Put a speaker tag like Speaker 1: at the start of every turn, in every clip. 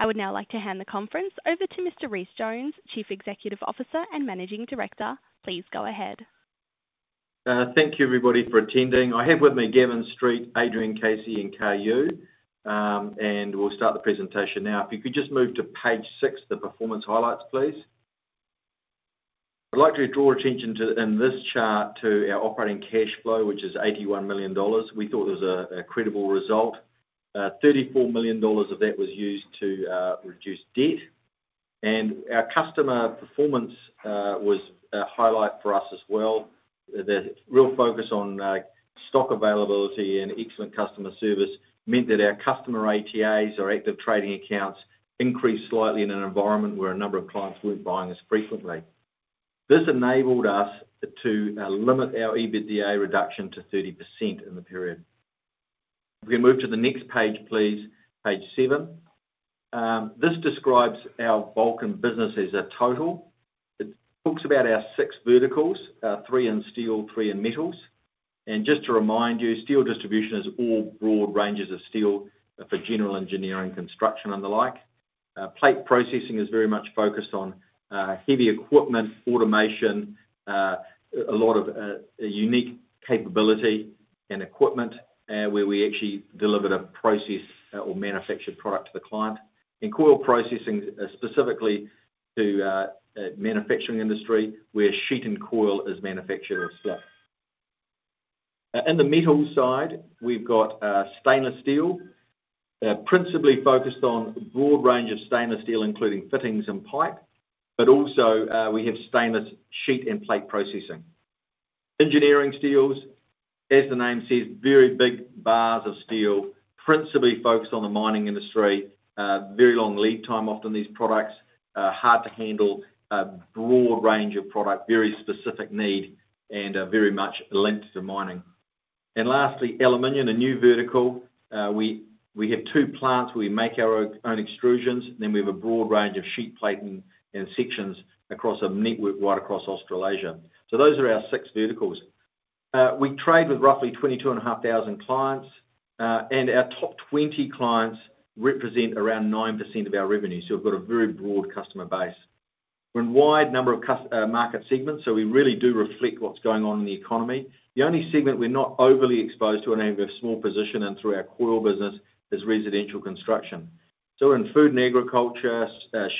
Speaker 1: I would now like to hand the conference over to Mr. Rhys Jones, Chief Executive Officer and Managing Director. Please go ahead.
Speaker 2: Thank you, everybody, for attending. I have with me Gavin Street, Adrian Casey, and Kar Yue, and we'll start the presentation now. If you could just move to page six, the performance highlights, please. I'd like to draw attention in this chart to our operating cash flow, which is 81 million dollars. We thought it was a credible result. 34 million dollars of that was used to reduce debt. And our customer performance was a highlight for us as well. The real focus on stock availability and excellent customer service meant that our customer ATAs, our active trading accounts, increased slightly in an environment where a number of clients weren't buying as frequently. This enabled us to limit our EBITDA reduction to 30% in the period. If we can move to the next page, please, page seven. This describes our Vulcan business as a total. It talks about our six verticals: three in steel, three in metals. And just to remind you, steel distribution is all broad ranges of steel for general engineering, construction, and the like. Plate processing is very much focused on heavy equipment, automation, a lot of unique capability and equipment where we actually deliver the process or manufactured product to the client. And coil processing specifically to the manufacturing industry where sheet and coil is manufactured or slit. In the metals side, we've got stainless steel, principally focused on a broad range of stainless steel, including fittings and pipe, but also we have stainless sheet and plate processing. Engineering steels, as the name says, very big bars of steel, principally focused on the mining industry, very long lead time, often these products, hard to handle, broad range of product, very specific need, and very much linked to mining. Lastly, aluminum, a new vertical. We have two plants where we make our own extrusions, and then we have a broad range of sheet plate and sections across a network right across Australasia. So those are our six verticals. We trade with roughly 22,500 clients, and our top 20 clients represent around 9% of our revenue. So we've got a very broad customer base. We're in a wide number of market segments, so we really do reflect what's going on in the economy. The only segment we're not overly exposed to, and we have a small position in through our coil business, is residential construction. So in food and agriculture,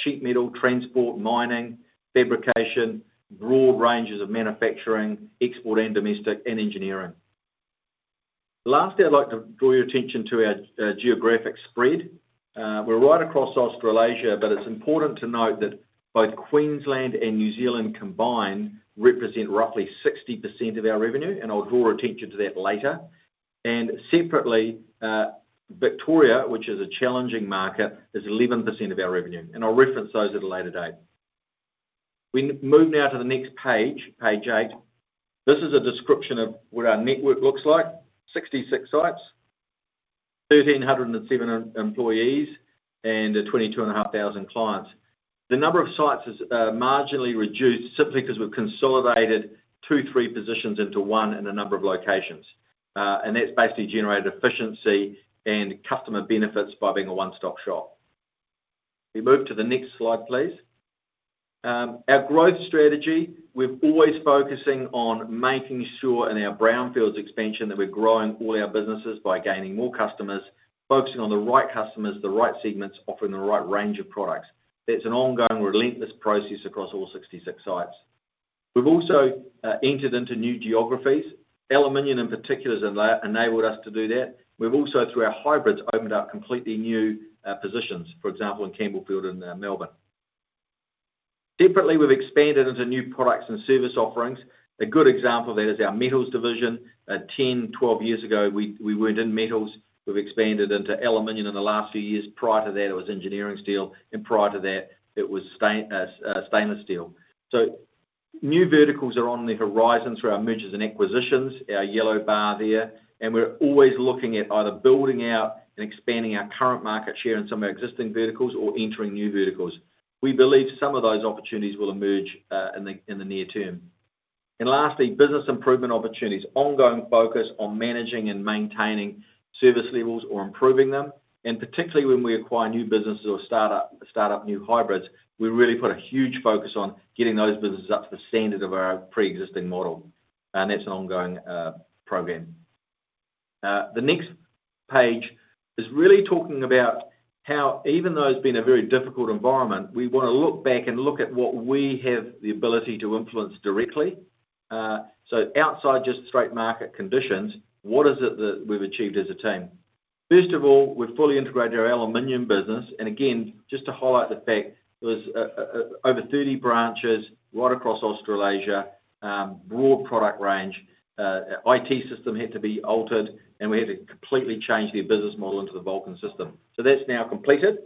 Speaker 2: sheet metal, transport, mining, fabrication, broad ranges of manufacturing, export and domestic, and engineering. Lastly, I'd like to draw your attention to our geographic spread. We're right across Australasia, but it's important to note that both Queensland and New Zealand combined represent roughly 60% of our revenue, and I'll draw attention to that later, and separately, Victoria, which is a challenging market, is 11% of our revenue, and I'll reference those at a later date. We move now to the next page, page eight. This is a description of what our network looks like: 66 sites, 1,307 employees, and 22,500 clients. The number of sites is marginally reduced simply because we've consolidated two, three positions into one in a number of locations, and that's basically generated efficiency and customer benefits by being a one-stop shop. We move to the next slide, please. Our growth strategy, we're always focusing on making sure in our brownfields expansion that we're growing all our businesses by gaining more customers, focusing on the right customers, the right segments, offering the right range of products. It's an ongoing, relentless process across all 66 sites. We've also entered into new geographies. Aluminum in particular has enabled us to do that. We've also, through our hybrids, opened up completely new positions, for example, in Campbellfield and Melbourne. Separately, we've expanded into new products and service offerings. A good example of that is our metals division. 10, 12 years ago, we weren't in metals. We've expanded into aluminum in the last few years. Prior to that, it was engineering steel, and prior to that, it was stainless steel. So new verticals are on the horizon through our mergers and acquisitions, our yellow bar there. And we're always looking at either building out and expanding our current market share in some of our existing verticals or entering new verticals. We believe some of those opportunities will emerge in the near term. And lastly, business improvement opportunities, ongoing focus on managing and maintaining service levels or improving them. And particularly when we acquire new businesses or start up new hybrids, we really put a huge focus on getting those businesses up to the standard of our pre-existing model. And that's an ongoing program. The next page is really talking about how, even though it's been a very difficult environment, we want to look back and look at what we have the ability to influence directly. So outside just straight market conditions, what is it that we've achieved as a team? First of all, we've fully integrated our aluminum business. And again, just to highlight the fact, there was over 30 branches right across Australasia, broad product range. IT system had to be altered, and we had to completely change the business model into the Vulcan system. So that's now completed.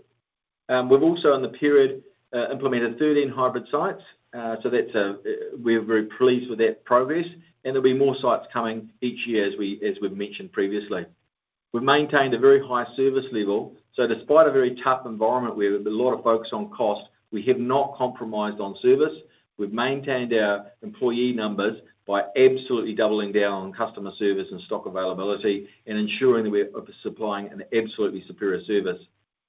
Speaker 2: We've also, in the period, implemented 13 hybrid sites. So we're very pleased with that progress. And there'll be more sites coming each year, as we've mentioned previously. We've maintained a very high service level. So despite a very tough environment where there's a lot of focus on cost, we have not compromised on service. We've maintained our employee numbers by absolutely doubling down on customer service and stock availability and ensuring that we're supplying an absolutely superior service.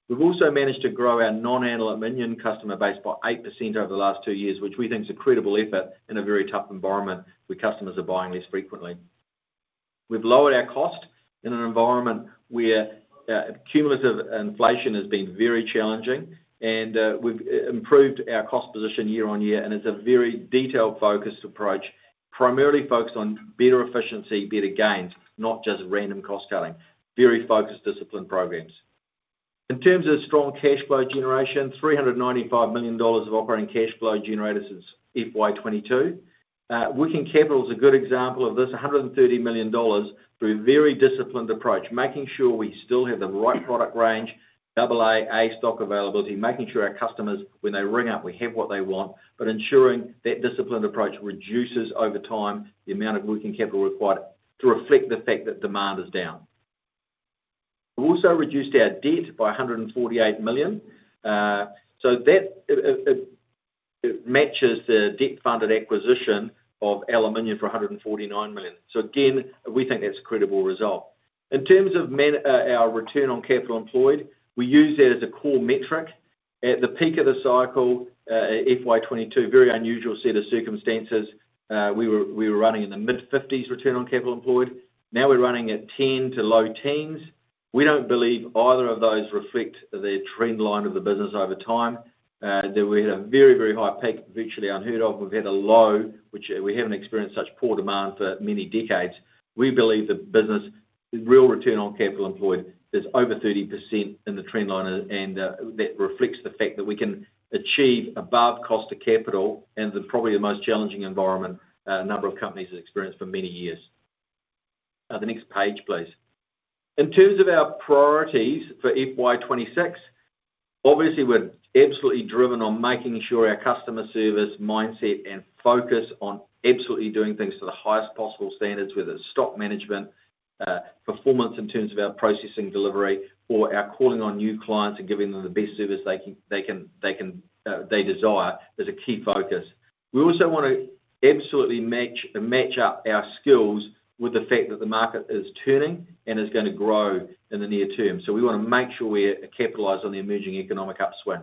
Speaker 2: We've also managed to grow our non-ferrous aluminum customer base by 8% over the last two years, which we think is a credible effort in a very tough environment where customers are buying less frequently. We've lowered our cost in an environment where cumulative inflation has been very challenging, and we've improved our cost position year on year. It's a very detailed focused approach, primarily focused on better efficiency, better gains, not just random cost cutting. Very focused discipline programs. In terms of strong cash flow generation, 395 million dollars of operating cash flow generated since FY22. Working Capital is a good example of this: 130 million dollars through a very disciplined approach, making sure we still have the right product range, AAA stock availability, making sure our customers, when they ring up, we have what they want, but ensuring that disciplined approach reduces over time the amount of working capital required to reflect the fact that demand is down. We've also reduced our debt by 148 million. So that matches the debt-funded acquisition of aluminum for 149 million. So again, we think that's a credible result. In terms of our return on capital employed, we use that as a core metric. At the peak of the cycle, FY22, very unusual set of circumstances, we were running in the mid-50s return on capital employed. Now we're running at 10 to low teens. We don't believe either of those reflect the trend line of the business over time. We had a very, very high peak, virtually unheard of. We've had a low, which we haven't experienced such poor demand for many decades. We believe the business, real return on capital employed, is over 30% in the trend line, and that reflects the fact that we can achieve above cost of capital in probably the most challenging environment a number of companies have experienced for many years. The next page, please. In terms of our priorities for FY26, obviously, we're absolutely driven on making sure our customer service mindset and focus on absolutely doing things to the highest possible standards, whether it's stock management, performance in terms of our processing delivery, or our calling on new clients and giving them the best service they desire, is a key focus. We also want to absolutely match up our skills with the fact that the market is turning and is going to grow in the near term. So we want to make sure we're capitalizing on the emerging economic upswing.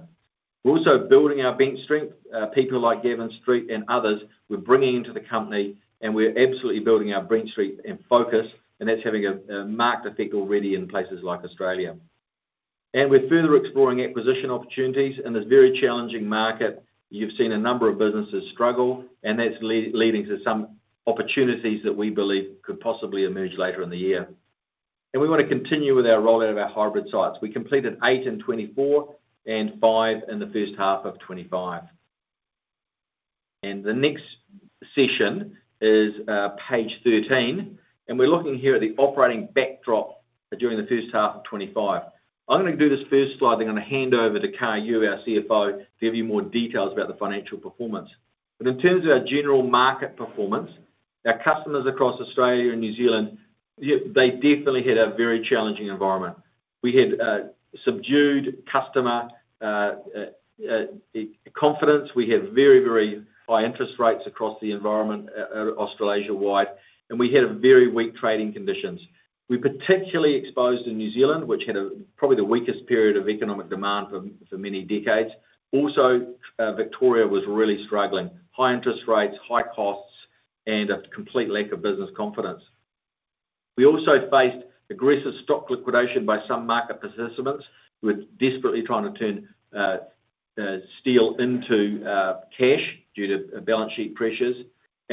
Speaker 2: We're also building our bench strength. People like Gavin Street and others, we're bringing into the company, and we're absolutely building our bench strength and focus, and that's having a marked effect already in places like Australia. And we're further exploring acquisition opportunities in this very challenging market. You've seen a number of businesses struggle, and that's leading to some opportunities that we believe could possibly emerge later in the year. And we want to continue with our rollout of our hybrid sites. We completed eight in 2024 and five in the first half of 2025. The next session is page 13, and we're looking here at the operating backdrop during the first half of 2025. I'm going to do this first slide. I'm going to hand over to Kar Yue, our CFO, to give you more details about the financial performance. In terms of our general market performance, our customers across Australia and New Zealand, they definitely had a very challenging environment. We had subdued customer confidence. We had very, very high interest rates across the environment, Australasia-wide, and we had very weak trading conditions. We're particularly exposed in New Zealand, which had probably the weakest period of economic demand for many decades. Also, Victoria was really struggling: high interest rates, high costs, and a complete lack of business confidence. We also faced aggressive stock liquidation by some market participants, who were desperately trying to turn steel into cash due to balance sheet pressures.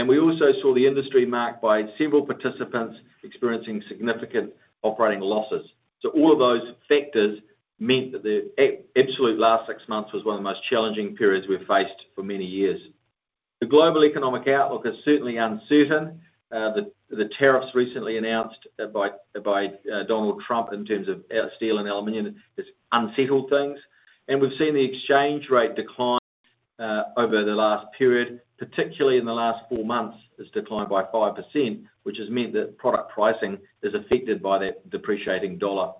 Speaker 2: And we also saw the industry marked by several participants experiencing significant operating losses. So all of those factors meant that the absolute last six months was one of the most challenging periods we've faced for many years. The global economic outlook is certainly uncertain. The tariffs recently announced by Donald Trump in terms of steel and aluminum have unsettled things. And we've seen the exchange rate decline over the last period, particularly in the last four months, has declined by 5%, which has meant that product pricing is affected by that depreciating dollar.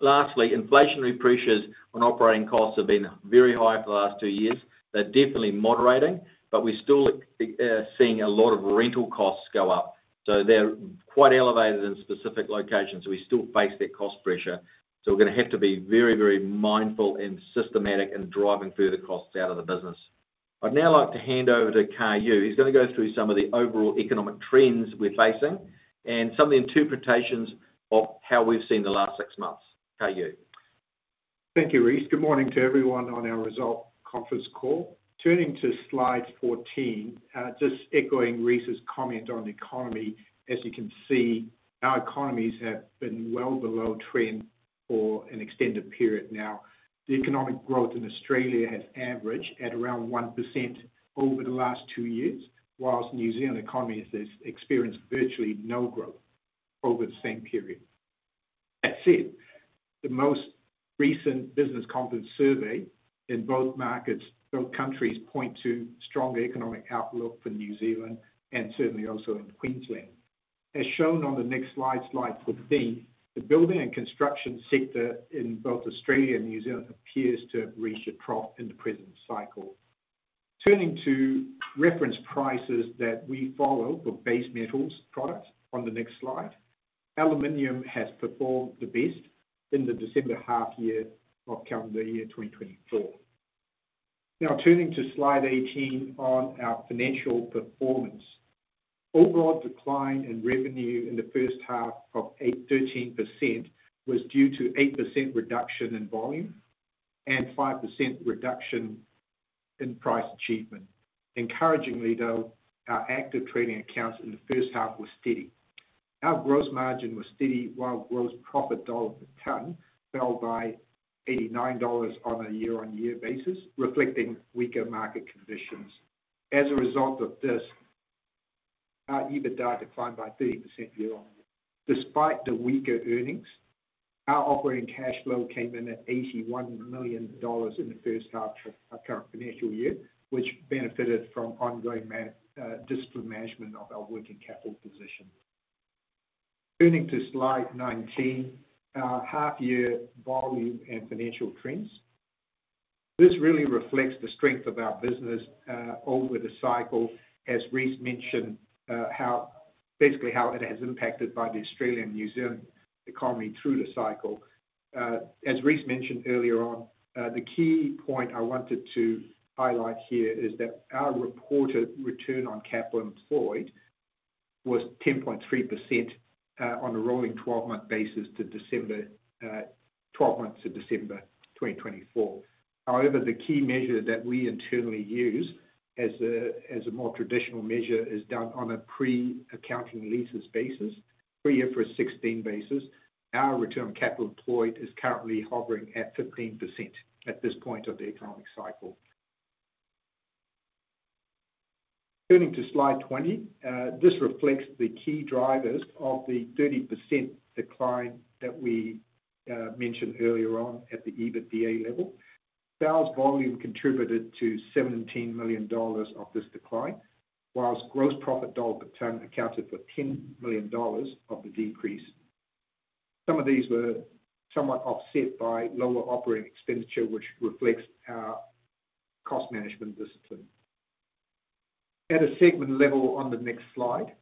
Speaker 2: Lastly, inflationary pressures on operating costs have been very high for the last two years. They're definitely moderating, but we're still seeing a lot of rental costs go up. So they're quite elevated in specific locations. We still face that cost pressure. So we're going to have to be very, very mindful and systematic in driving further costs out of the business. I'd now like to hand over to Kar Yue. He's going to go through some of the overall economic trends we're facing and some of the interpretations of how we've seen the last six months. Kar Yue.
Speaker 3: Thank you, Rhys. Good morning to everyone on our results conference call. Turning to slide 14, just echoing Rhys's comment on the economy, as you can see, our economies have been well below trend for an extended period now. The economic growth in Australia has averaged at around 1% over the last two years, while New Zealand economy has experienced virtually no growth over the same period. That said, the most recent business confidence survey in both markets, both countries, point to strong economic outlook for New Zealand and certainly also in Queensland. As shown on the next slide, slide 14, the building and construction sector in both Australia and New Zealand appears to have reached a trough in the present cycle. Turning to reference prices that we follow for base metals products on the next slide, aluminum has performed the best in the December half year of calendar year 2024. Now turning to slide 18 on our financial performance, overall decline in revenue in the first half of 13% was due to 8% reduction in volume and 5% reduction in price achievement. Encouragingly, though, our active trading accounts in the first half were steady. Our gross margin was steady, while gross profit dollar per tonne fell by $89 on a year-on-year basis, reflecting weaker market conditions. As a result of this, our EBITDA declined by 30% year-on-year. Despite the weaker earnings, our operating cash flow came in at 81 million dollars in the first half of our current financial year, which benefited from ongoing discipline management of our working capital position. Turning to slide 19, our half-year volume and financial trends. This really reflects the strength of our business over the cycle, as Rhys mentioned, basically how it has impacted by the Australia and New Zealand economy through the cycle. As Rhys mentioned earlier on, the key point I wanted to highlight here is that our reported return on capital employed was 10.3% on a rolling 12-month basis to December, 12 months to December 2024. However, the key measure that we internally use as a more traditional measure is done on a pre-accounting leases basis, pre-IFRS 16 basis. Our return on capital employed is currently hovering at 15% at this point of the economic cycle. Turning to slide 20, this reflects the key drivers of the 30% decline that we mentioned earlier on at the EBITDA level. Sales volume contributed to 17 million dollars of this decline, while gross profit dollar per tonne accounted for 10 million dollars of the decrease. Some of these were somewhat offset by lower operating expenditure, which reflects our cost management discipline. At a segment level on the next slide,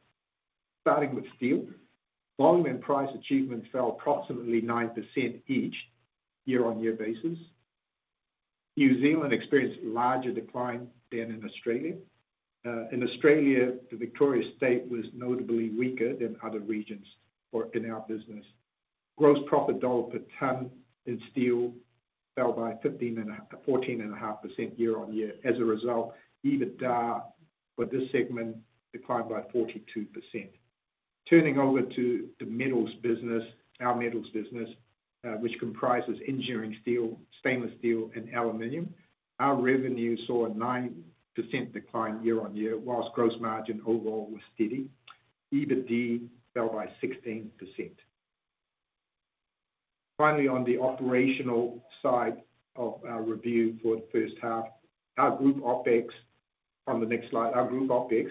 Speaker 3: starting with steel, volume and price achievement fell approximately 9% each year-on-year basis. New Zealand experienced a larger decline than in Australia. In Australia, the Victoria state was notably weaker than other regions in our business. Gross profit dollar per tonne in steel fell by 14.5% year-on-year. As a result, EBITDA for this segment declined by 42%. Turning over to the metals business, our metals business, which comprises engineering steel, stainless steel, and aluminum, our revenue saw a 9% decline year-on-year, while gross margin overall was steady. EBITDA fell by 16%. Finally, on the operational side of our review for the first half, our group Opex on the next slide, our group Opex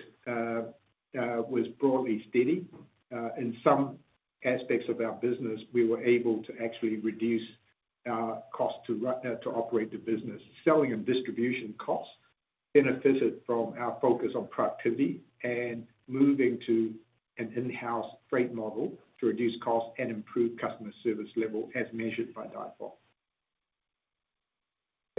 Speaker 3: was broadly steady. In some aspects of our business, we were able to actually reduce our cost to operate the business. Selling and distribution costs benefited from our focus on productivity and moving to an in-house freight model to reduce costs and improve customer service level, as measured by DIFOT.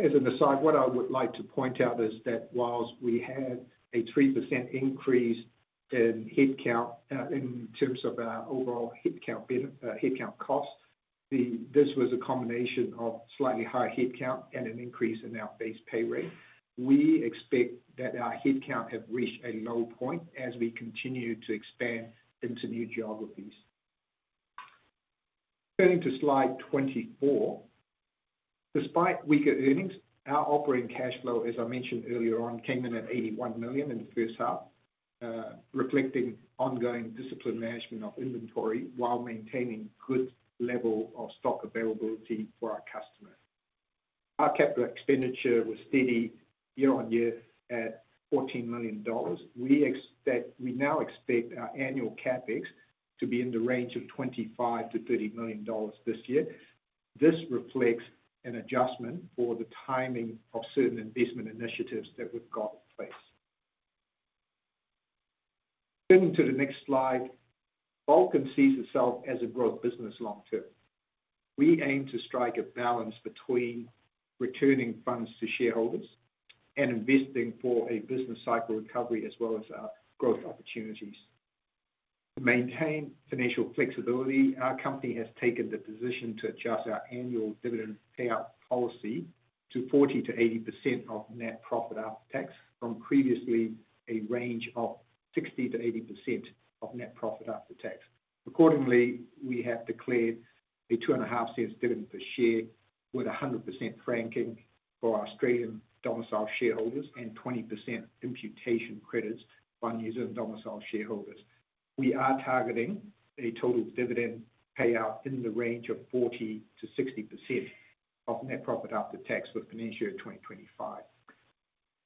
Speaker 3: As an aside, what I would like to point out is that while we had a 3% increase in headcount in terms of our overall headcount costs, this was a combination of slightly higher headcount and an increase in our base pay rate. We expect that our headcount has reached a low point as we continue to expand into new geographies. Turning to slide 24, despite weaker earnings, our operating cash flow, as I mentioned earlier on, came in at 81 million in the first half, reflecting ongoing discipline management of inventory while maintaining a good level of stock availability for our customers. Our capital expenditure was steady year-on-year at 14 million dollars. We now expect our annual Capex to be in the range of 25 million-30 million dollars this year. This reflects an adjustment for the timing of certain investment initiatives that we've got in place. Turning to the next slide, Vulcan sees itself as a growth business long term. We aim to strike a balance between returning funds to shareholders and investing for a business cycle recovery as well as our growth opportunities. To maintain financial flexibility, our company has taken the position to adjust our annual dividend payout policy to 40%-80% of net profit after tax from previously a range of 60%-80% of net profit after tax. Accordingly, we have declared a 0.025 dividend per share with 100% franking for Australian domiciled shareholders and 20% imputation credits for New Zealand domiciled shareholders. We are targeting a total dividend payout in the range of 40%-60% of net profit after tax for financial year 2025.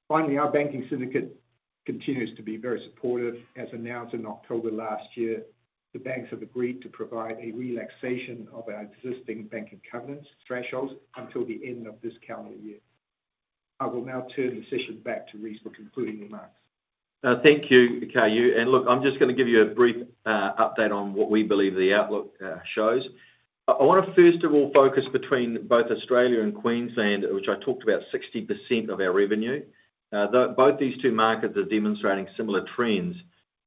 Speaker 3: Finally, our banking syndicate continues to be very supportive. As announced in October last year, the banks have agreed to provide a relaxation of our existing banking covenants thresholds until the end of this calendar year. I will now turn the session back to Rhys for concluding remarks.
Speaker 2: Thank you, Kar Yue. Look, I'm just going to give you a brief update on what we believe the outlook shows. I want to first of all focus between both Australia and Queensland, which I talked about 60% of our revenue. Both these two markets are demonstrating similar trends.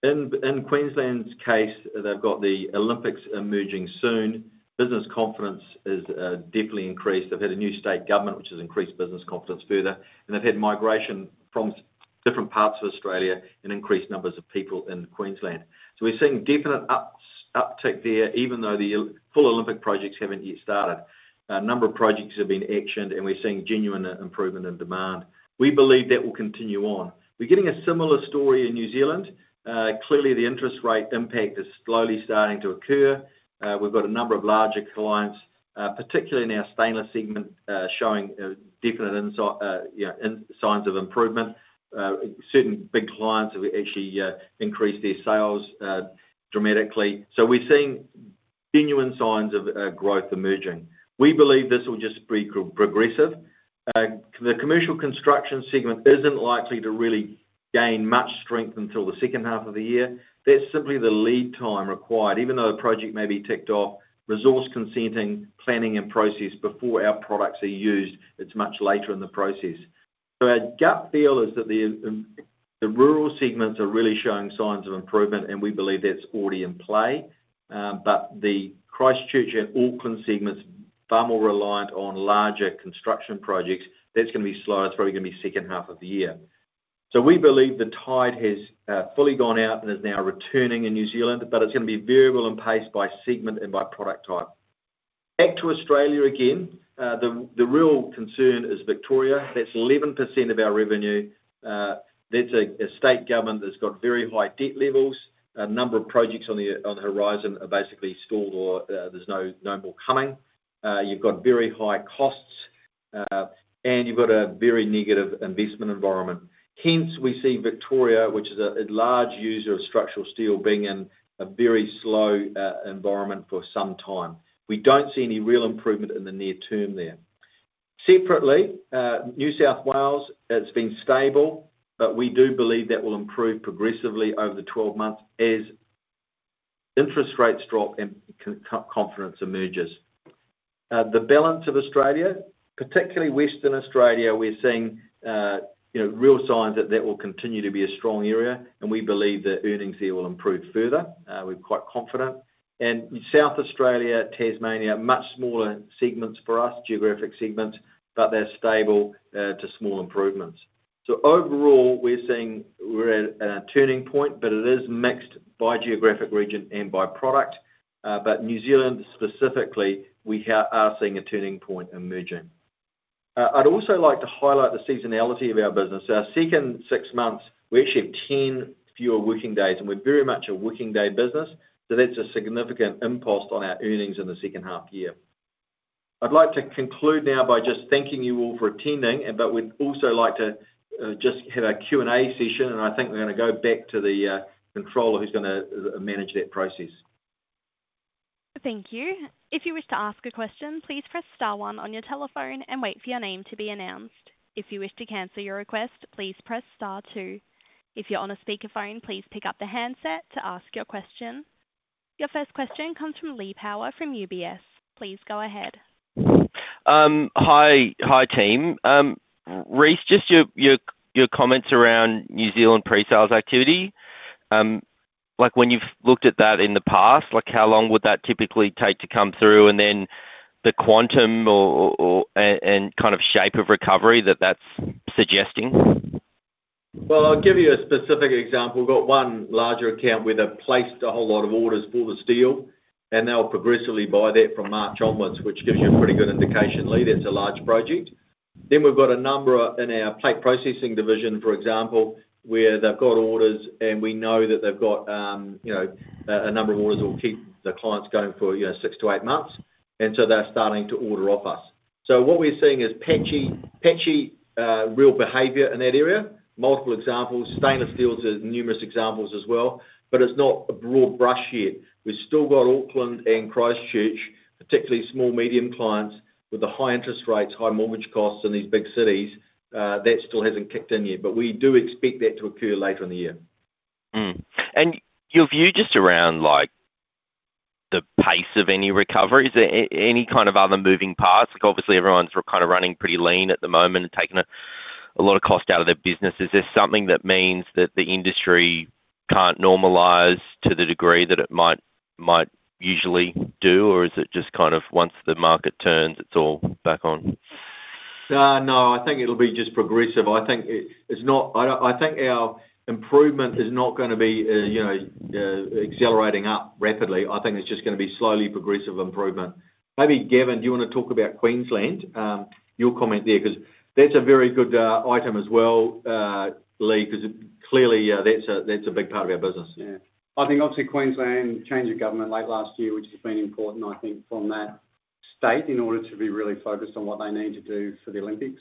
Speaker 2: In Queensland's case, they've got the Olympics emerging soon. Business confidence has definitely increased. They've had a new state government, which has increased business confidence further, and they've had migration from different parts of Australia and increased numbers of people in Queensland. So we're seeing definite uptick there, even though the full Olympic projects haven't yet started. A number of projects have been actioned, and we're seeing genuine improvement in demand. We believe that will continue on. We're getting a similar story in New Zealand. Clearly, the interest rate impact is slowly starting to occur. We've got a number of larger clients, particularly in our stainless segment, showing definite signs of improvement. Certain big clients have actually increased their sales dramatically. So we're seeing genuine signs of growth emerging. We believe this will just be progressive. The commercial construction segment isn't likely to really gain much strength until the second half of the year. That's simply the lead time required. Even though a project may be ticked off, resource consenting, planning, and process before our products are used, it's much later in the process. So our gut feel is that the rural segments are really showing signs of improvement, and we believe that's already in play. But the Christchurch and Auckland segments are far more reliant on larger construction projects. That's going to be slower. It's probably going to be the second half of the year. So we believe the tide has fully gone out and is now returning in New Zealand, but it's going to be variable in pace by segment and by product type. Back to Australia again, the real concern is Victoria. That's 11% of our revenue. That's a state government that's got very high debt levels. A number of projects on the horizon are basically stalled or there's no more coming. You've got very high costs, and you've got a very negative investment environment. Hence, we see Victoria, which is a large user of structural steel, being in a very slow environment for some time. We don't see any real improvement in the near term there. Separately, New South Wales, it's been stable, but we do believe that will improve progressively over the 12 months as interest rates drop and confidence emerges. The balance of Australia, particularly Western Australia, we're seeing real signs that that will continue to be a strong area, and we believe that earnings there will improve further. We're quite confident, and South Australia, Tasmania, much smaller segments for us, geographic segments, but they're stable to small improvements, so overall, we're seeing we're at a turning point, but it is mixed by geographic region and by product, but New Zealand specifically, we are seeing a turning point emerging. I'd also like to highlight the seasonality of our business. Our second six months, we actually have 10 fewer working days, and we're very much a working day business, so that's a significant impact on our earnings in the second half year. I'd like to conclude now by just thanking you all for attending, but we'd also like to just have a Q&A session, and I think we're going to go back to the controller who's going to manage that process.
Speaker 1: Thank you. If you wish to ask a question, please press star one on your telephone and wait for your name to be announced. If you wish to cancel your request, please press star two. If you're on a speakerphone, please pick up the handset to ask your question. Your first question comes from Lee Power from UBS. Please go ahead.
Speaker 4: Hi, team. Rhys, just your comments around New Zealand pre-sales activity, like when you've looked at that in the past, like how long would that typically take to come through and then the quantum and kind of shape of recovery that that's suggesting?
Speaker 2: Well, I'll give you a specific example. We've got one larger account where they've placed a whole lot of orders for the steel, and they'll progressively buy that from March onwards, which gives you a pretty good indication, Lee, that's a large project. Then we've got a number in our plate processing division, for example, where they've got orders, and we know that they've got a number of orders that will keep the clients going for six to eight months, and so they're starting to order off us. So what we're seeing is patchy real behavior in that area. Multiple examples. Stainless steel's numerous examples as well, but it's not a broad brush yet. We've still got Auckland and Christchurch, particularly small medium clients with the high interest rates, high mortgage costs in these big cities. That still hasn't kicked in yet, but we do expect that to occur later in the year.
Speaker 4: And your view just around the pace of any recovery, is there any kind of other moving parts? Obviously, everyone's kind of running pretty lean at the moment and taking a lot of cost out of their business. Is this something that means that the industry can't normalize to the degree that it might usually do, or is it just kind of once the market turns, it's all back on?
Speaker 2: No, I think it'll be just progressive. I think our improvement is not going to be accelerating up rapidly. I think it's just going to be slowly progressive improvement. Maybe Gavin, do you want to talk about Queensland, your comment there? Because that's a very good item as well, Lee, because clearly that's a big part of our business. Yeah.
Speaker 5: I think obviously Queensland changed the government late last year, which has been important, I think, from that state in order to be really focused on what they need to do for the Olympics.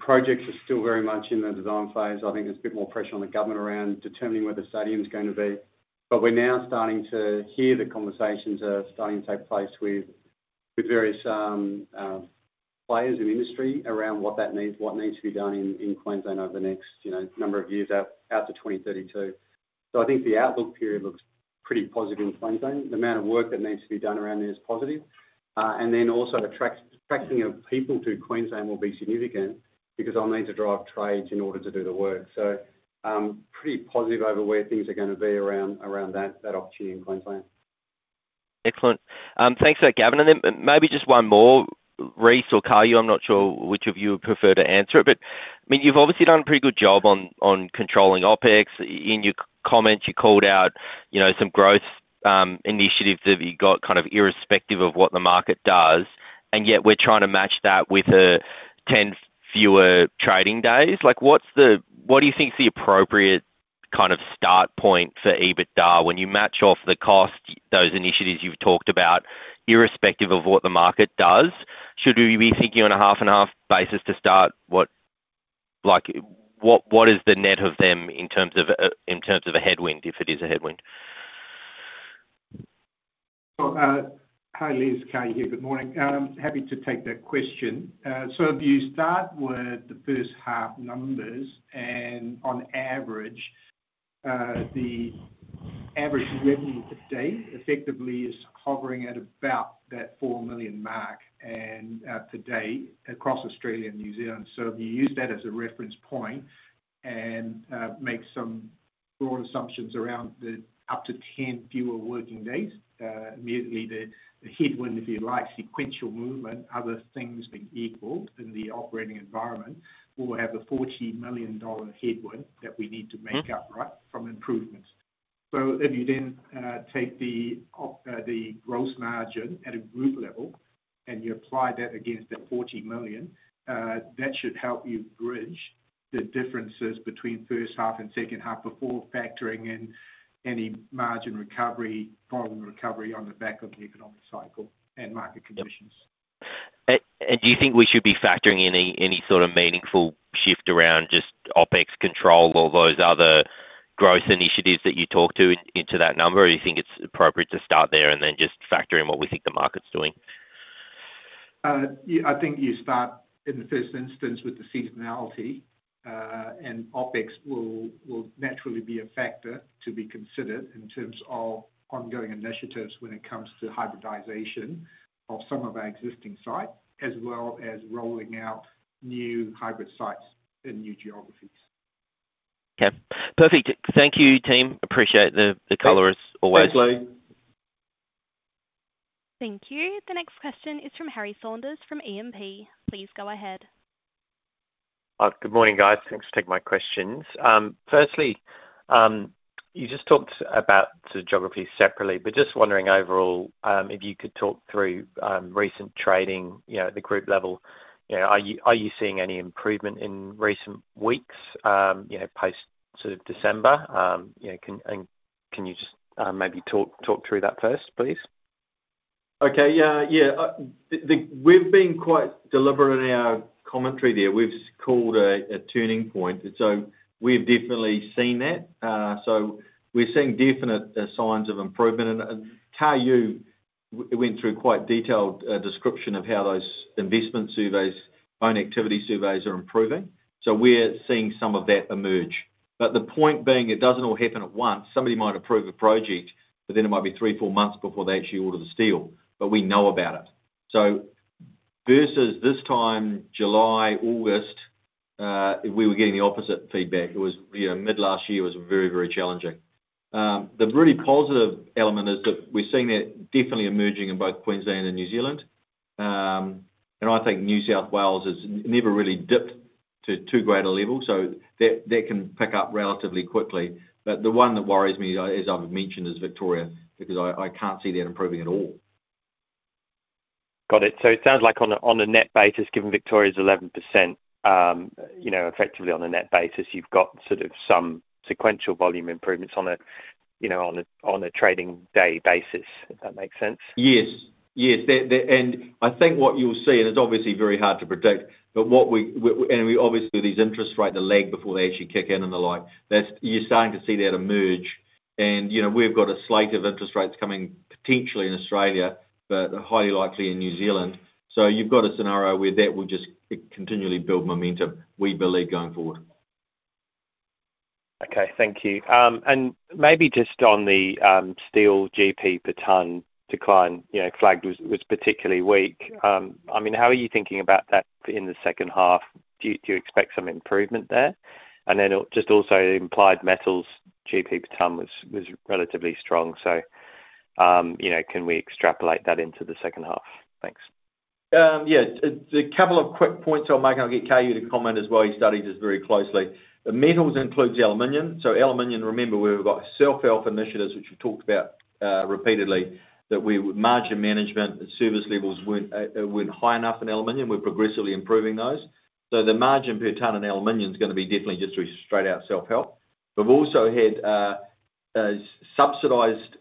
Speaker 5: Projects are still very much in the design phase. I think there's a bit more pressure on the government around determining where the stadium's going to be. But we're now starting to hear the conversations are starting to take place with various players in the industry around what that needs to be done in Queensland over the next number of years out to 2032. So I think the outlook period looks pretty positive in Queensland. The amount of work that needs to be done around there is positive. And then also attracting people to Queensland will be significant because it'll need to drive trades in order to do the work. So pretty positive over where things are going to be around that opportunity in Queensland.
Speaker 4: Excellent. Thanks for that, Gavin. And then maybe just one more, Rhys or Kar Yue, I'm not sure which of you would prefer to answer it, but I mean, you've obviously done a pretty good job on controlling Opex. In your comments, you called out some growth initiatives that you got kind of irrespective of what the market does, and yet we're trying to match that with 10 fewer trading days. What do you think's the appropriate kind of start point for EBITDA when you match off the cost, those initiatives you've talked about, irrespective of what the market does? Should we be thinking on a half and half basis to start? What is the net of them in terms of a headwind, if it is a headwind?
Speaker 3: Hi, Lee, it's Kar Yue. Good morning. Happy to take that question. So if you start with the first half numbers, and on average, the average revenue per day effectively is hovering at about that four million mark today across Australia and New Zealand. So if you use that as a reference point and make some broad assumptions around the up to 10 fewer working days, immediately the headwind, if you like, sequential movement, other things being equal in the operating environment, we'll have a 40 million dollar headwind that we need to make up from improvements. So if you then take the gross margin at a group level and you apply that against that 40 million, that should help you bridge the differences between first half and second half before factoring in any margin recovery, volume recovery on the back of the economic cycle and market conditions.
Speaker 4: Do you think we should be factoring in any sort of meaningful shift around just Opex control or those other growth initiatives that you talk to into that number, or do you think it's appropriate to start there and then just factor in what we think the market's doing?
Speaker 3: I think you start in the first instance with the seasonality, and Opex will naturally be a factor to be considered in terms of ongoing initiatives when it comes to hybridization of some of our existing sites, as well as rolling out new hybrid sites in new geographies.
Speaker 4: Okay. Perfect. Thank you, team. Appreciate the color as always.
Speaker 2: Thanks, Lee.
Speaker 1: Thank you. The next question is from Harry Saunders from E&P. Please go ahead.
Speaker 6: Good morning, guys. Thanks for taking my questions. Firstly, you just talked about the geographies separately, but just wondering overall if you could talk through recent trading at the group level. Are you seeing any improvement in recent weeks post December? Can you just maybe talk through that first, please?
Speaker 2: Okay. Yeah. We've been quite deliberate in our commentary there. We've called a turning point, and so we've definitely seen that. So we're seeing definite signs of improvement. Kar Yue went through a quite detailed description of how those investment surveys, own activity surveys are improving. So we're seeing some of that emerge. But the point being, it doesn't all happen at once. Somebody might approve a project, but then it might be three, four months before they actually order the steel, but we know about it. So versus this time, July, August, we were getting the opposite feedback. Mid last year was very, very challenging. The really positive element is that we're seeing that definitely emerging in both Queensland and New Zealand, and I think New South Wales has never really dipped to too great a level, so that can pick up relatively quickly, but the one that worries me, as I've mentioned, is Victoria because I can't see that improving at all.
Speaker 6: Got it, so it sounds like on a net basis, given Victoria's 11%, effectively on a net basis, you've got sort of some sequential volume improvements on a trading day basis, if that makes sense.
Speaker 2: Yes. Yes, and I think what you'll see, and it's obviously very hard to predict, but what we, and obviously with these interest rates, the lag before they actually kick in and the like, you're starting to see that emerge, and we've got a slate of interest rates coming potentially in Australia, but highly likely in New Zealand. So you've got a scenario where that will just continually build momentum, we believe, going forward.
Speaker 6: Okay. Thank you. And maybe just on the steel GP per tonne decline flagged was particularly weak. I mean, how are you thinking about that in the second half? Do you expect some improvement there? And then just also implied metals GP per tonne was relatively strong. So can we extrapolate that into the second half? Thanks.
Speaker 2: Yeah. A couple of quick points I'll make. I'll get Kar Yeo to comment as well. He studies this very closely. The metals includes aluminum. So aluminum, remember, we've got self-help initiatives, which we've talked about repeatedly, that our margin management and service levels weren't high enough in aluminum. We're progressively improving those. So the margin per tonne in aluminum is going to be definitely just straight out self-help. We've also had subsidized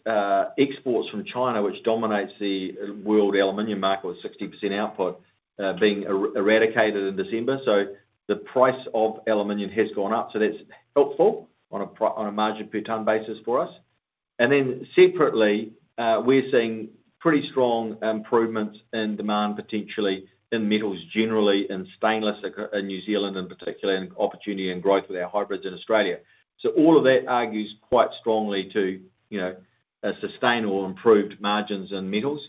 Speaker 2: exports from China, which dominates the world aluminum market with 60% output, being eradicated in December. So the price of aluminum has gone up. So that's helpful on a margin per tonne basis for us. And then separately, we're seeing pretty strong improvements in demand potentially in metals generally and stainless in New Zealand in particular and opportunity and growth with our hybrids in Australia. So all of that argues quite strongly to sustain or improved margins in metals.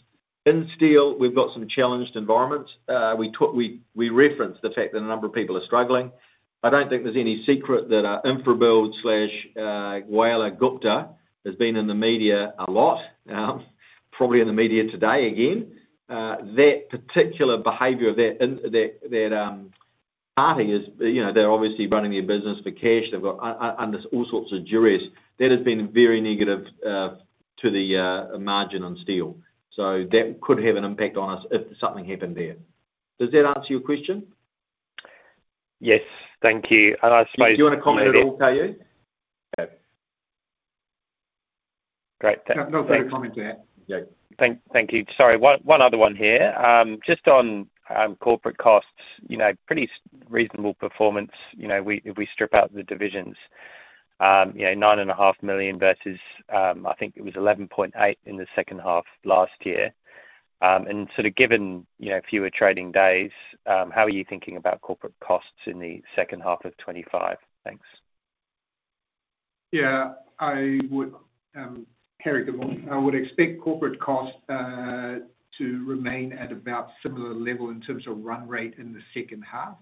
Speaker 2: In steel, we've got some challenged environments. We referenced the fact that a number of people are struggling. I don't think there's any secret that InfraBuild/Sanjeev Gupta has been in the media a lot, probably in the media today again. That particular behavior of that party, they're obviously running their business for cash. They've got all sorts of queries. That has been very negative to the margin on steel. So that could have an impact on us if something happened there. Does that answer your question?
Speaker 6: Yes. Thank you. And I suppose.
Speaker 2: Do you want to comment at all, Kar Yeo?
Speaker 6: Great. Thanks.
Speaker 3: No comment to that.
Speaker 6: Thank you. Sorry. One other one here. Just on corporate costs, pretty reasonable performance if we strip out the divisions, 9.5 million versus I think it was 11.8 million in the second half last year. And sort of given fewer trading days, how are you thinking about corporate costs in the second half of 2025? Thanks.
Speaker 3: Yeah. Harry, good morning. I would expect corporate costs to remain at about similar level in terms of run rate in the second half.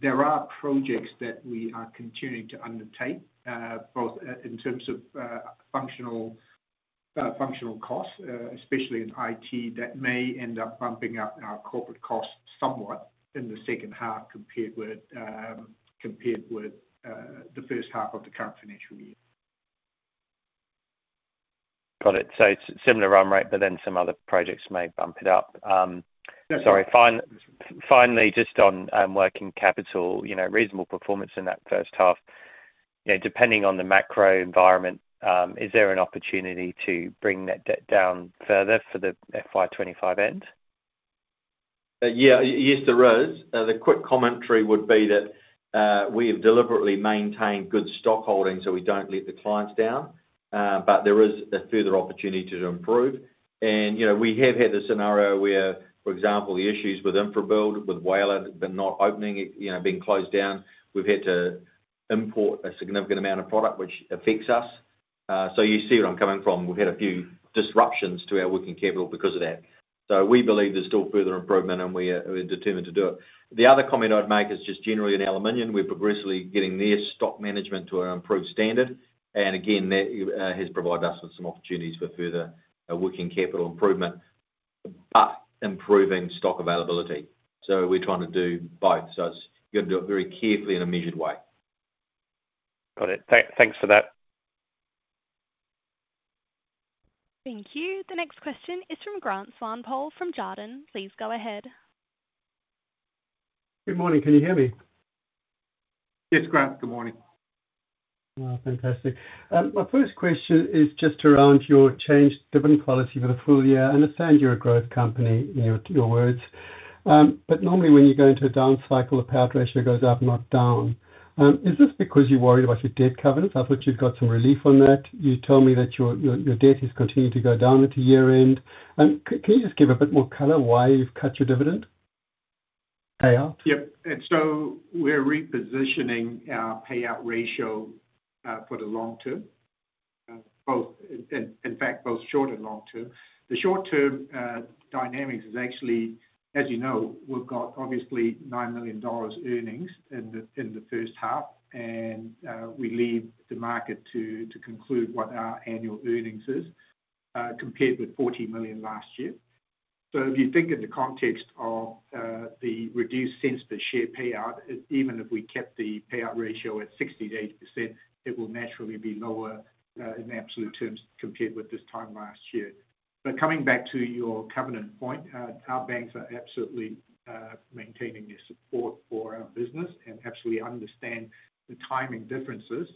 Speaker 3: There are projects that we are continuing to undertake, both in terms of functional costs, especially in IT, that may end up bumping up our corporate costs somewhat in the second half compared with the first half of the current financial year.
Speaker 6: Got it. So similar run rate, but then some other projects may bump it up.
Speaker 3: Sorry.
Speaker 6: Finally, just on working capital, reasonable performance in that first half. Depending on the macro environment, is there an opportunity to bring that debt down further for the FY25 end?
Speaker 2: Yeah. Yes, there is. The quick commentary would be that we have deliberately maintained good stock holdings so we don't let the clients down, but there is a further opportunity to improve. And we have had a scenario where, for example, the issues with InfraBuild, with Gupta have been not opening, being closed down. We've had to import a significant amount of product, which affects us. So you see where I'm coming from. We've had a few disruptions to our working capital because of that. So we believe there's still further improvement, and we're determined to do it. The other comment I'd make is just generally in aluminum, we're progressively getting their stock management to an improved standard. And again, that has provided us with some opportunities for further working capital improvement, but improving stock availability. So we're trying to do both. So it's going to do it very carefully in a measured way.
Speaker 6: Got it. Thanks for that.
Speaker 1: Thank you. The next question is from Grant Swanepoel from Jarden. Please go ahead.
Speaker 7: Good morning. Can you hear me? Yes, Grant. Good morning. Fantastic. My first question is just around your change-driven policy for the full year. I understand you're a growth company in your words, but normally when you go into a down cycle, the payout ratio goes up, not down. Is this because you're worried about your debt covenants? I thought you'd got some relief on that. You told me that your debt is continuing to go down at the year-end. Can you just give a bit more color why you've cut your dividend payout?
Speaker 3: Yep. So we're repositioning our payout ratio for the long term, in fact, both short and long term. The short-term dynamics is actually, as you know, we've got obviously 9 million dollars earnings in the first half, and we leave the market to conclude what our annual earnings is compared with 40 million last year. So if you think in the context of the reduced cents per share payout, even if we kept the payout ratio at 68%, it will naturally be lower in absolute terms compared with this time last year. But coming back to your covenant point, our banks are absolutely maintaining their support for our business and absolutely understand the timing differences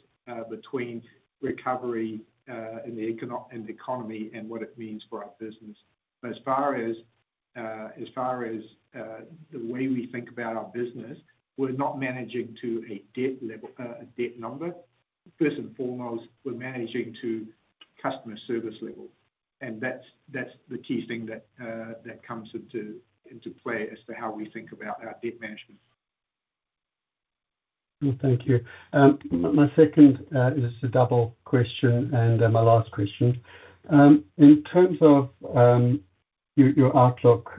Speaker 3: between recovery in the economy and what it means for our business. But as far as the way we think about our business, we're not managing to a debt number. First and foremost, we're managing to customer service level. And that's the key thing that comes into play as to how we think about our debt management.
Speaker 7: Thank you. My second is a double question and my last question. In terms of your outlook,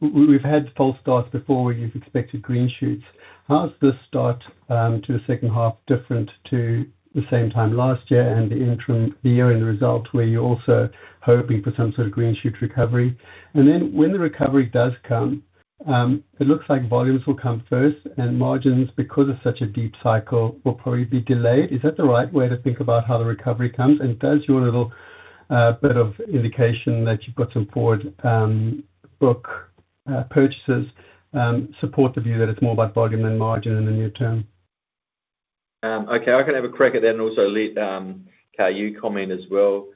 Speaker 7: we've had false starts before where you've expected green shoots. How's this start to the second half different to the same time last year and the year-end result where you're also hoping for some sort of green shoot recovery? And then when the recovery does come, it looks like volumes will come first, and margins, because of such a deep cycle, will probably be delayed. Is that the right way to think about how the recovery comes? And does your little bit of indication that you've got some forward book purchases support the view that it's more about volume than margin in the near term?
Speaker 2: Okay. I can have a crack at that and also let Kar Yue comment as well.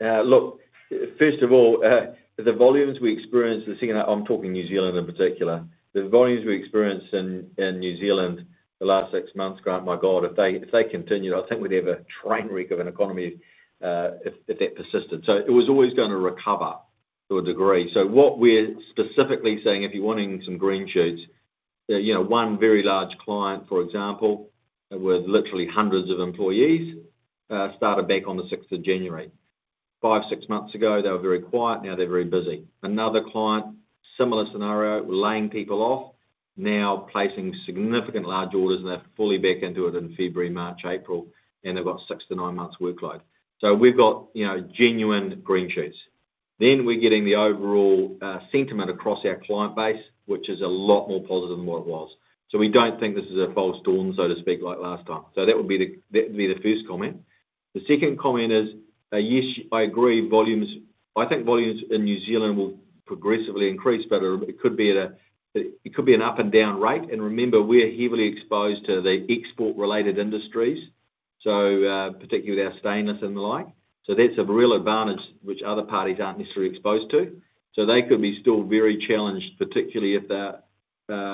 Speaker 2: Look, first of all, the volumes we experience. I'm talking New Zealand in particular. The volumes we experience in New Zealand the last six months, Grant, my God, if they continued, I think we'd have a train wreck of an economy if that persisted. So it was always going to recover to a degree. So what we're specifically saying, if you're wanting some green shoots, one very large client, for example, with literally hundreds of employees, started back on the 6th of January. Five, six months ago, they were very quiet. Now they're very busy. Another client, similar scenario, laying people off, now placing significant large orders, and they're fully back into it in February, March, April, and they've got six to nine months workload. So we've got genuine green shoots. Then we're getting the overall sentiment across our client base, which is a lot more positive than what it was. So we don't think this is a false dawn, so to speak, like last time. So that would be the first comment. The second comment is, yes, I agree, I think volumes in New Zealand will progressively increase, but it could be an up and down rate. And remember, we're heavily exposed to the export-related industries, particularly with our stainless and the like. So that's a real advantage which other parties aren't necessarily exposed to. So they could be still very challenged, particularly if they're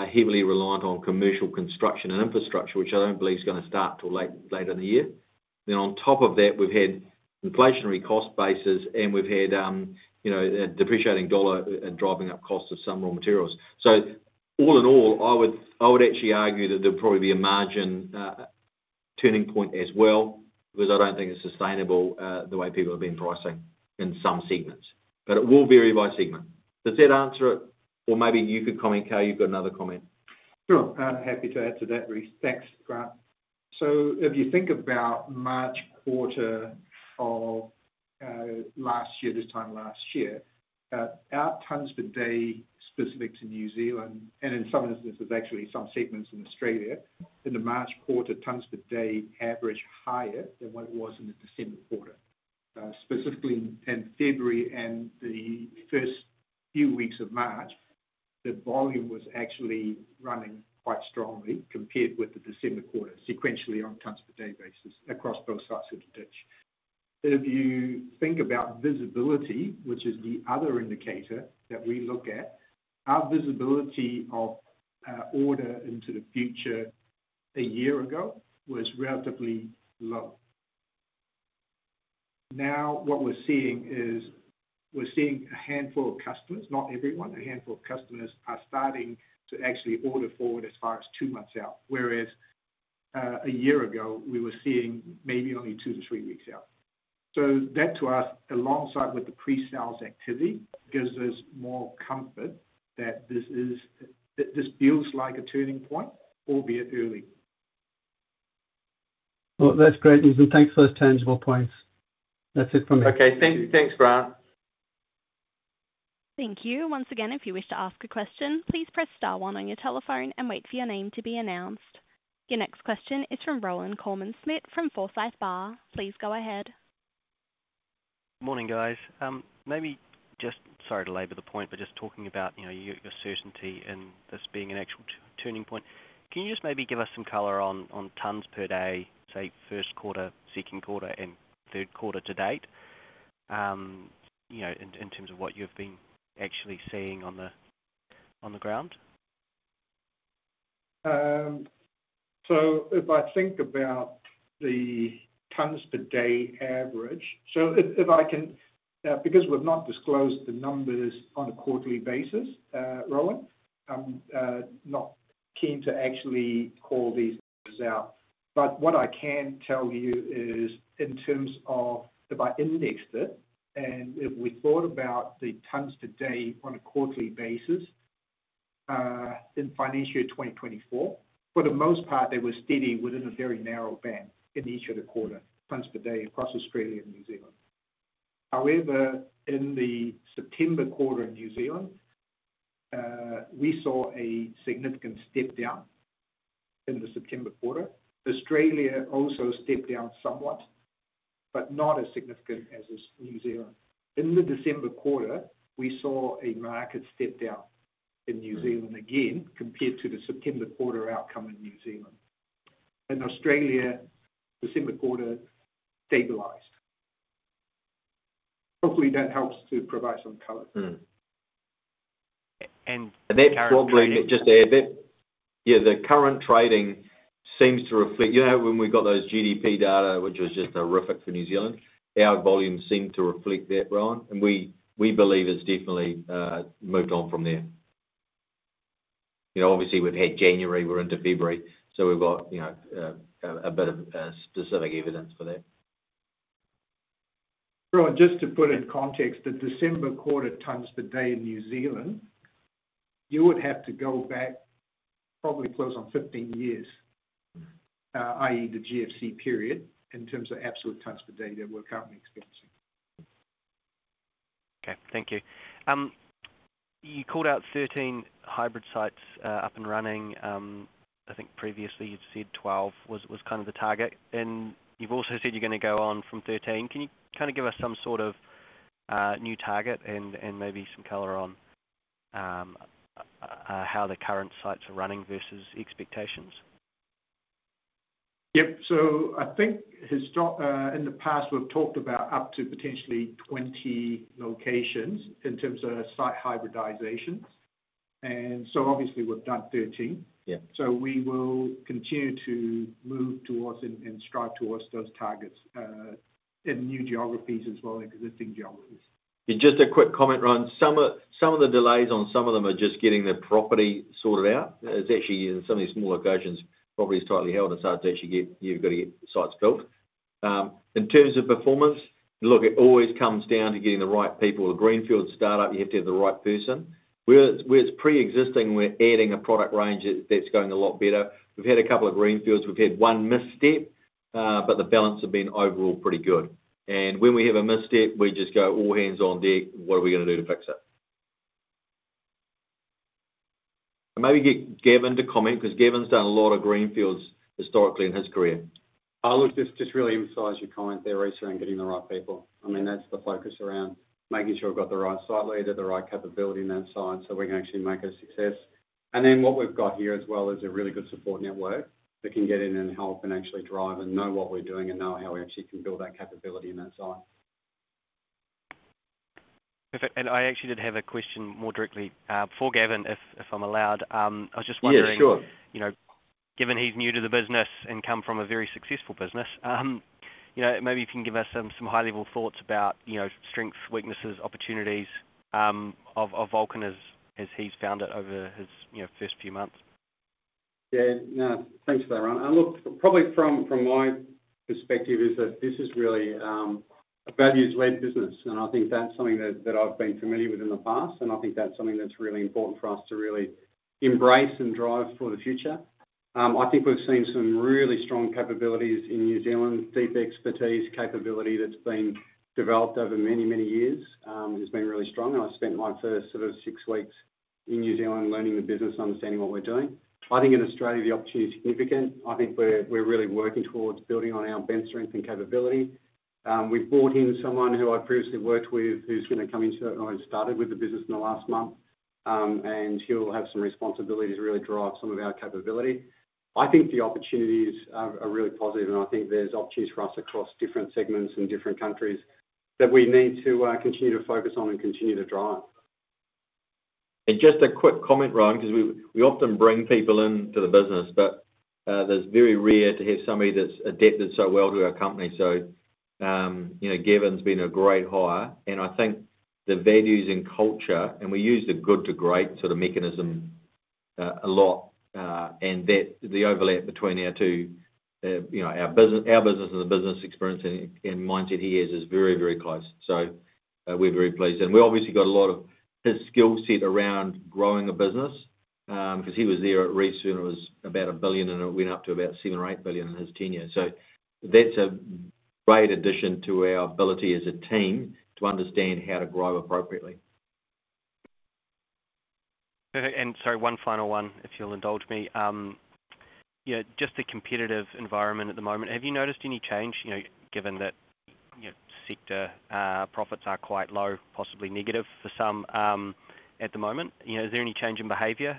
Speaker 2: heavily reliant on commercial construction and infrastructure, which I don't believe is going to start till late in the year. Then on top of that, we've had inflationary cost bases, and we've had a depreciating dollar and driving up costs of some raw materials. So all in all, I would actually argue that there'd probably be a margin turning point as well because I don't think it's sustainable the way people have been pricing in some segments. But it will vary by segment. Does that answer it? Or maybe you could comment, Kar Yue, you've got another comment.
Speaker 3: Sure. Happy to add to that, Rhys. Thanks, Grant. So if you think about March quarter of last year, this time last year, our tons per day specific to New Zealand, and in some instances, actually some segments in Australia, in the March quarter, tons per day averaged higher than what it was in the December quarter. Specifically in February and the first few weeks of March, the volume was actually running quite strongly compared with the December quarter, sequentially on tons per day basis across both sides of the ditch. If you think about visibility, which is the other indicator that we look at, our visibility of order into the future a year ago was relatively low. Now, what we're seeing is we're seeing a handful of customers, not everyone, a handful of customers are starting to actually order forward as far as two months out, whereas a year ago, we were seeing maybe only two to three weeks out. So that, to us, alongside with the pre-sales activity, gives us more comfort that this feels like a turning point, albeit early.
Speaker 7: Well, that's great, Rhys. And thanks for those tangible points. That's it from me.
Speaker 2: Okay. Thanks, Grant.
Speaker 1: Thank you. Once again, if you wish to ask a question, please press star one on your telephone and wait for your name to be announced. Your next question is from Rohan Koreman-Smit from Forsyth Barr. Please go ahead.
Speaker 8: Morning, guys. Maybe just sorry to labor the point, but just talking about your certainty in this being an actual turning point, can you just maybe give us some color on tons per day, say, first quarter, second quarter, and third quarter to date in terms of what you've been actually seeing on the ground?
Speaker 3: So if I think about the tons per day average, so if I can because we've not disclosed the numbers on a quarterly basis, Roland, I'm not keen to actually call these numbers out. But what I can tell you is in terms of if I indexed it and if we thought about the tons per day on a quarterly basis in financial year 2024, for the most part, they were steady within a very narrow band in each other quarter, tons per day across Australia and New Zealand.
Speaker 2: However, in the September quarter in New Zealand, we saw a significant step down in the September quarter. Australia also stepped down somewhat, but not as significant as New Zealand. In the December quarter, we saw a market step down in New Zealand again compared to the September quarter outcome in New Zealand. In Australia, December quarter stabilized. Hopefully, that helps to provide some color. That probably just adds that, yeah, the current trading seems to reflect when we got those GDP data, which was just horrific for New Zealand, our volume seemed to reflect that, Roland. We believe it's definitely moved on from there. Obviously, we've had January, we're into February, so we've got a bit of specific evidence for that.
Speaker 3: Roland, just to put in context, the December quarter tons per day in New Zealand. You would have to go back probably close on 15 years, i.e., the GFC period, in terms of absolute tons per day that we're currently experiencing.
Speaker 8: Okay. Thank you. You called out 13 hybrid sites up and running. I think previously you'd said 12 was kind of the target. And you've also said you're going to go on from 13. Can you kind of give us some sort of new target and maybe some color on how the current sites are running versus expectations?
Speaker 3: Yep. So I think in the past, we've talked about up to potentially 20 locations in terms of site hybridization. And so obviously, we've done 13. So we will continue to move towards and strive towards those targets in new geographies as well as existing geographies.
Speaker 2: Just a quick comment, Roland. Some of the delays on some of them are just getting the property sorted out. It's actually in some of these small locations, property's tightly held, and so you've got to get sites built. In terms of performance, look, it always comes down to getting the right people. A greenfield startup, you have to have the right person. Where it's pre-existing, we're adding a product range that's going a lot better. We've had a couple of greenfields. We've had one misstep, but the balance have been overall pretty good. And when we have a misstep, we just go, "All hands on deck. What are we going to do to fix it?" Maybe get Gavin to comment because Gavin's done a lot of greenfields historically in his career.
Speaker 5: I'll just really emphasize your comment there, Rhys, around getting the right people. I mean, that's the focus around making sure we've got the right site leader, the right capability in that site so we can actually make a success, and then what we've got here as well is a really good support network that can get in and help and actually drive and know what we're doing and know how we actually can build that capability in that site.
Speaker 8: Perfect, and I actually did have a question more directly for Gavin, if I'm allowed. I was just wondering.
Speaker 5: Yeah, sure.
Speaker 8: Given he's new to the business and come from a very successful business, maybe if you can give us some high-level thoughts about strengths, weaknesses, opportunities of Vulcan as he's found it over his first few months.
Speaker 5: Yeah. Thanks for that, Roland. Look, probably from my perspective is that this is really a values-led business. And I think that's something that I've been familiar with in the past. And I think that's something that's really important for us to really embrace and drive for the future. I think we've seen some really strong capabilities in New Zealand, deep expertise, capability that's been developed over many, many years. It's been really strong. And I spent my first sort of six weeks in New Zealand learning the business, understanding what we're doing. I think in Australia, the opportunity is significant. I think we're really working towards building on our bench strength and capability. We brought in someone who I previously worked with who's going to come into it and started with the business in the last month. And he'll have some responsibilities to really drive some of our capability. I think the opportunities are really positive. I think there's opportunities for us across different segments in different countries that we need to continue to focus on and continue to drive.
Speaker 2: Just a quick comment, Roland, because we often bring people into the business, but there's very rare to have somebody that's adapted so well to our company. So Gavin's been a great hire. I think the values and culture, and we use the Good to Great sort of mechanism a lot. The overlap between our two, our business and the business experience and mindset he has is very, very close. So we're very pleased. We obviously got a lot of his skill set around growing a business because he was there at Reece when it was about a billion, and it went up to about seven or eight billion in his tenure. So that's a great addition to our ability as a team to understand how to grow appropriately.
Speaker 8: Perfect. And sorry, one final one, if you'll indulge me. Just the competitive environment at the moment, have you noticed any change, given that sector profits are quite low, possibly negative for some at the moment? Is there any change in behavior?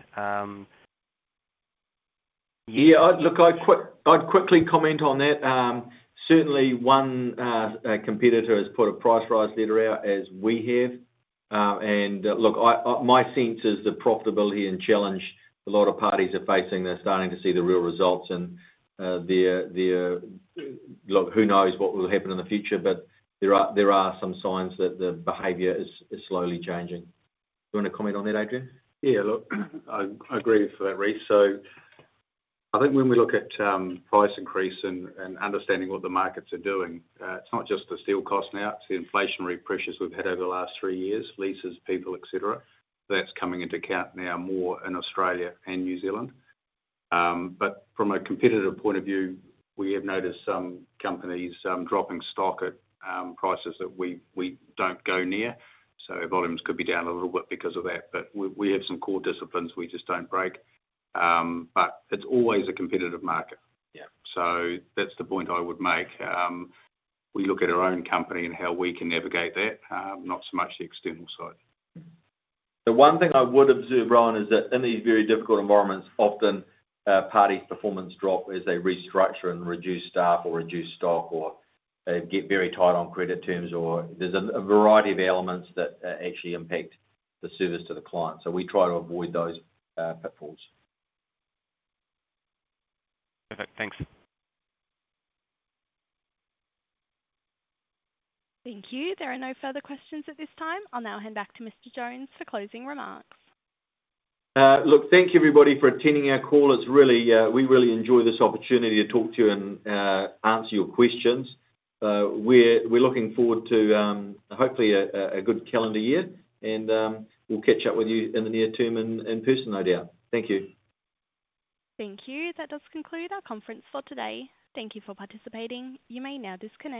Speaker 2: Yeah. Look, I'd quickly comment on that. Certainly, one competitor has put a price rise letter out as we have. And look, my sense is the profitability and challenge a lot of parties are facing, they're starting to see the real results. And look, who knows what will happen in the future, but there are some signs that the behavior is slowly changing. Do you want to comment on that, Adrian?
Speaker 9: Yeah. Look, I agree with Rhys.
Speaker 2: So I think when we look at price increase and understanding what the markets are doing, it's not just the steel cost now. It's the inflationary pressures we've had over the last three years, leases, people, etc. That's coming into account now more in Australia and New Zealand. But from a competitive point of view, we have noticed some companies dropping stock at prices that we don't go near. So volumes could be down a little bit because of that. But we have some core disciplines we just don't break. But it's always a competitive market. So that's the point I would make. We look at our own company and how we can navigate that, not so much the external side. The one thing I would observe, Roland, is that in these very difficult environments, often parties' performance drop as they restructure and reduce staff or reduce stock or get very tight on credit terms. There's a variety of elements that actually impact the service to the client. So we try to avoid those pitfalls.
Speaker 8: Perfect. Thanks. Thank you.
Speaker 1: There are no further questions at this time. I'll now hand back to Mr. Jones for closing remarks.
Speaker 2: Look, thank you, everybody, for attending our call. We really enjoyed this opportunity to talk to you and answer your questions. We're looking forward to hopefully a good calendar year. And we'll catch up with you in the near term in person, no doubt. Thank you.
Speaker 1: Thank you. That does conclude our conference for today. Thank you for participating. You may now disconnect.